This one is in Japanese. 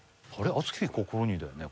「熱き心に」だよね